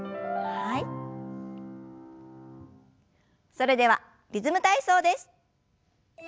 それではリズム体操です。